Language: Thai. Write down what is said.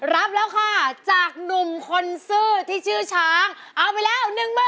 รับแล้วค่ะจากหนุ่มคนซื่อที่ชื่อช้างเอาไปแล้ว๑๐๐๐